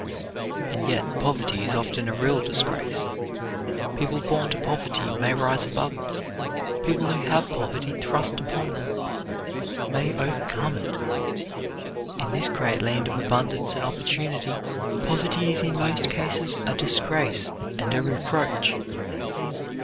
And yet poverty is often a real disgrace. People born to poverty may rise above it. People who have poverty thrust upon them may overcome it. In this great land of abundance and opportunity poverty is in most cases a disgrace and a reproach.